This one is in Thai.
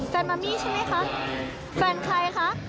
มามี่ใช่ไหมคะแฟนใครคะ